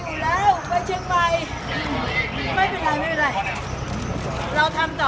นี้แหละรบบานคนที่ทำดีของคนรักชาตฯ